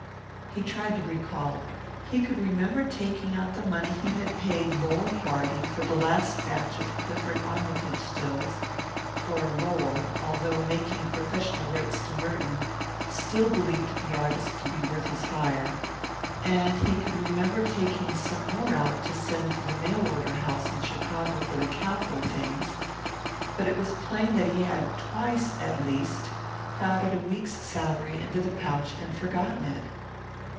He tried to recall. He could remember taking out the money he had paid Lowell Hardy for the last batch of Clifford Armytage stills for Lowell, although making professional rates to Merton, still believed the artist to be worth his hire and he could remember taking some more out to send to the mail order house in Chicago for the cowboy things; but it was plain that he had twice, at least, crowded a week's salary into the pouch and forgotten it.